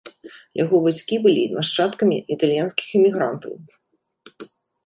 Яго бацькі былі нашчадкамі італьянскіх імігрантаў.